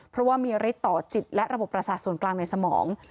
เพราะว่ามีฤทธิ์ต่อจิตและระบบประสาทส่วนกลางในสมอง